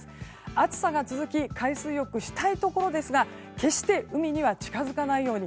暑さが続き海水浴したいところですが決して海には近づかないように。